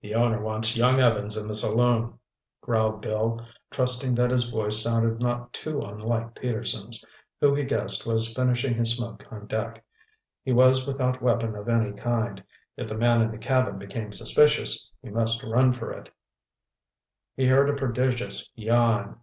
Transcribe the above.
"The owner wants young Evans in the saloon," growled Bill, trusting that his voice sounded not too unlike Petersen's, who he guessed was finishing his smoke on deck. He was without weapon of any kind. If the man in the cabin became suspicious, he must run for it. He heard a prodigious yawn.